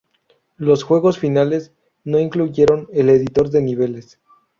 Los juegos finales no incluyeron el editor de niveles.